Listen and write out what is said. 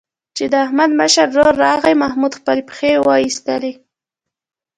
چې د احمد مشر ورور راغی، محمود خپلې پښې وایستلې.